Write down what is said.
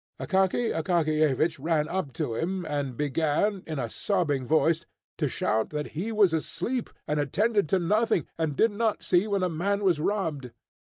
Akaky Akakiyevich ran up to him, and began in a sobbing voice to shout that he was asleep, and attended to nothing, and did not see when a man was robbed.